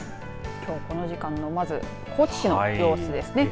きょうこの時間のまず高知市の様子ですね。